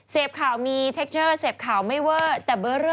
เสพข่าวมีเทคเจอร์เสพข่าวไม่เวอร์แต่เบอร์เรอร์